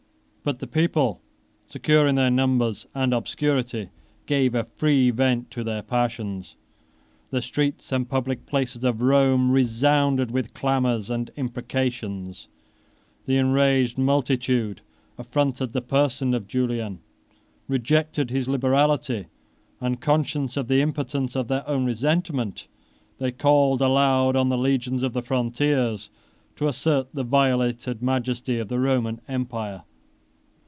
But the people, secure in their numbers and obscurity, gave a free vent to their passions. The streets and public places of Rome resounded with clamors and imprecations. The enraged multitude affronted the person of Julian, rejected his liberality, and, conscious of the impotence of their own resentment, they called aloud on the legions of the frontiers to assert the violated majesty of the Roman empire.